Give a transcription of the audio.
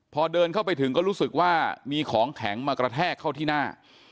พอเดินเข้าไปถึงก็รู้สึกว่ามีของแข็งมากระแทกเข้าที่หน้า